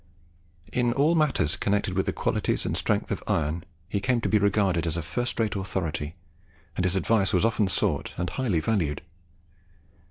In all matters connected with the qualities and strength of iron, he came to be regarded as a first rate authority, and his advice was often sought and highly valued.